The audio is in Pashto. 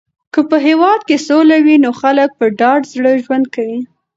که په هېواد کې سوله وي نو خلک په ډاډه زړه ژوند کوي.